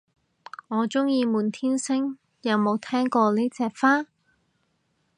我鍾意滿天星，有冇聽過呢隻花